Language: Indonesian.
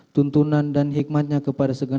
tuntunan dan hikmatnya kepada segala